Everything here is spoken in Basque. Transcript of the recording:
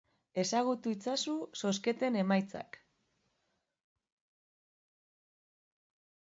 Ezagutu itzazu zozketen emaitzak.